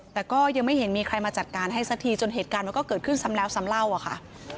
แต่ก็ยังไม่เห็นมีใครมาจัดการให้สักทีจนเหตุการณ์มันก็เกิดขึ้นซ้ำแล้วซ้ำเล่าอะค่ะ